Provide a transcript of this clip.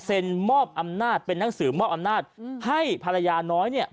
มอบอำนาจเป็นนังสือมอบอำนาจให้ภรรยาน้อยเนี่ย